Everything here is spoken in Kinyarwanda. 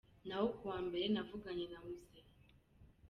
Naho kuwa mbere navuganye na Mzee.